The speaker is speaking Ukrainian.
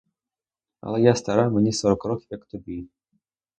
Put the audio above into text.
Але я стара, мені сорок років, як тобі.